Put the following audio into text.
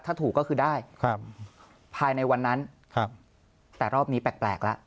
ถ้าถูกก็คือได้ครับภายในวันนั้นครับแต่รอบนี้แปลกแล้ว